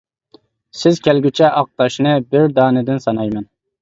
سىز كەلگۈچە ئاق تاشنى، بىر دانىدىن سانايمەن.